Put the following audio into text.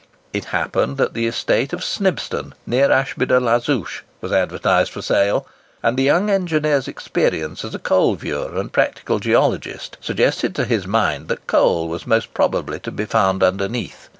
It happened that the estate of Snibston, near Ashby de la Zouch, was advertised for sale; and the young engineer's experience as a coal viewer and practical geologist suggested to his mind that coal was most probably to be found underneath.